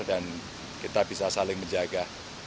dan kita bisa saling menjaga